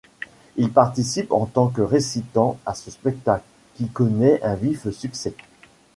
Il participe en tant que récitant à ce spectacle, qui connaît un vif succès.